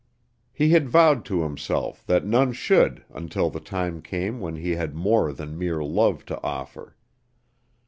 He had vowed to himself that none should until the time came when he had more than mere love to offer.